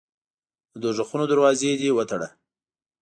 د دوږخونو دروازې دي وتړه.